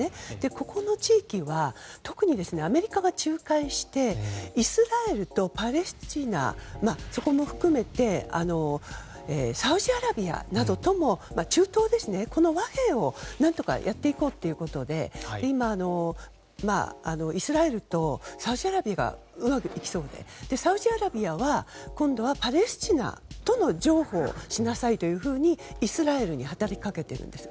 ここの地域は特にアメリカが仲介してイスラエルとパレスチナそこも含めてサウジアラビアなど中東とこの和平を何とかやっていこうということで今、イスラエルとサウジアラビアがうまくいきそうでサウジアラビアは今度はパレスチナと譲歩しなさいというふうにイスラエルに働きかけているんです。